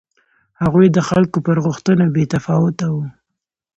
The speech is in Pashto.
هغوی د خلکو پر غوښتنو بې تفاوته و.